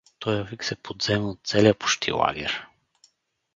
Тоя вик се подзема от целия почти лагер.